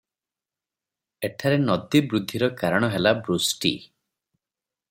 ଏଠାରେ ନଦୀ ବୃଦ୍ଧିର କାରଣ ହେଲା ବୃଷ୍ଟି ।